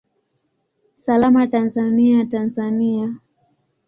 Salama Tanzania, Tanzania!